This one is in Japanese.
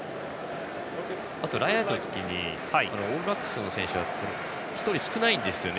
あとラインアウトの時オールブラックスの選手が１人少ないんですね